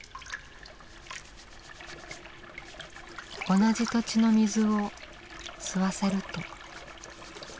同じ土地の水を吸わせると。